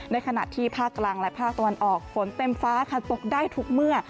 ในขณะที่ภาคกลางและภาคตะวันออกฝนเต็มฟ้าค่ะตกได้ทุกเมื่อ